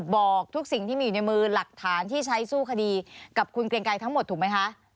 บอกทุกสิ่งที่มีอยู่ในมือหลักฐานที่ใช้สู้คดีกับคุณเกรงไกรทั้งหมดถูกไหมคะ